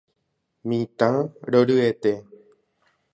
Mitã roryete